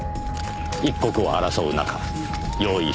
一刻を争う中用意